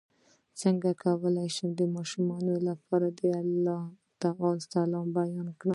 څنګه کولی شم د ماشومانو لپاره د الله تعالی سلام بیان کړم